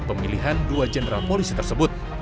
pemilihan dua jenderal polisi tersebut